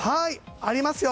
ありますよ！